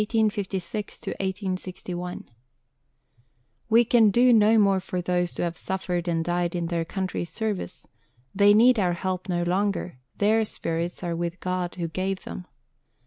PART III FOR THE HEALTH OF THE SOLDIERS (1856 1861) We can do no more for those who have suffered and died in their country's service; they need our help no longer; their spirits are with God who gave them.